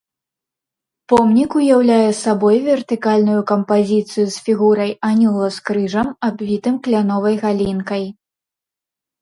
Помнік уяўляе сабой вертыкальную кампазіцыю з фігурай анёла з крыжам, абвітым кляновай галінкай.